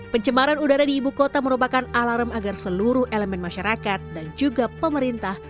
pencemaran udara di ibu kota merupakan alarm agar seluruh elemen masyarakat dan juga pemerintah